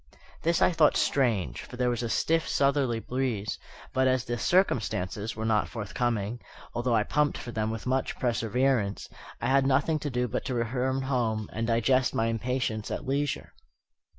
This I thought strange, for there was a stiff southerly breeze; but as "the circumstances" were not forthcoming, although I pumped for them with much perseverance, I had nothing to do but to return home and digest my impatience at leisure.